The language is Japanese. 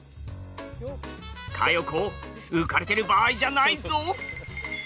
佳代子浮かれてる場合じゃないぞ。